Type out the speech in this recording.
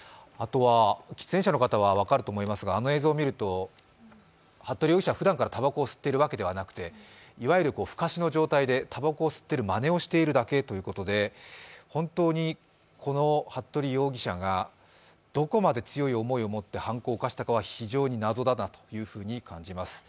喫煙者の方は分かると思いますが、あの映像を見ると服部容疑者、ふだんからたばこを吸っているわけではなくていほるふかしの状態で、たばこを吸っているまねをしているだけということで本当に服部容疑者がどこまで強い思いを持って犯行を犯したかは非常になぞだなと感じます。